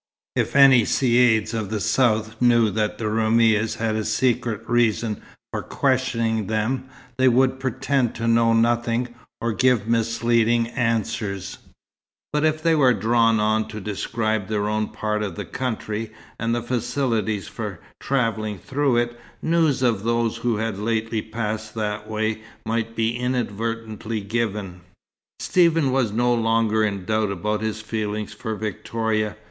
If any caïds of the south knew that Roumis had a secret reason for questioning them, they would pretend to know nothing, or give misleading answers; but if they were drawn on to describe their own part of the country, and the facilities for travelling through it, news of those who had lately passed that way might be inadvertently given. Stephen was no longer in doubt about his feelings for Victoria.